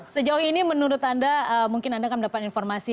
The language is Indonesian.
sejauh ini menurut anda mungkin anda akan mendapat informasi